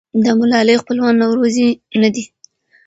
د ملالۍ خپلوان نورزي نه دي.